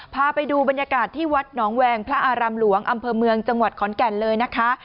พาไปดูบรรยากาศที่วัดหนองแวงพระอารามหลวงอำเภอเมืองจังหวัดขอนแก่นเลยนะคะ